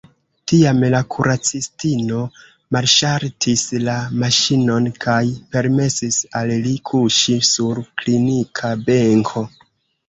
Tiam la kuracistino malŝaltis la maŝinon, kaj permesis al li kuŝi sur klinika benko.